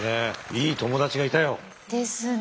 いい友達がいたよ。ですね。